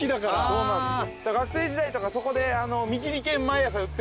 そうなんですよ。